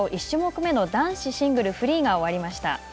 １種目めの男子シングルフリーが終わりました。